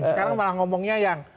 sekarang malah ngomongnya yang